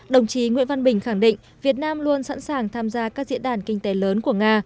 đồng chí nguyễn văn bình khẳng định việt nam luôn sẵn sàng tham gia các diễn đàn kinh tế lớn của nga